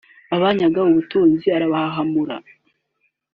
abanyaga ubutunzi arabahahamura